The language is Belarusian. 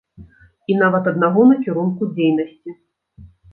І нават аднаго накірунку дзейнасці.